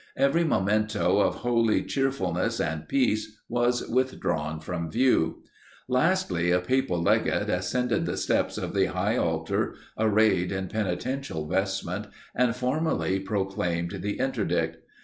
Every memento of holy cheerfulness and peace was withdrawn from view. Lastly, a papal legate ascended the steps of the high altar, arrayed in penitential vestment, and formally proclaimed the interdict.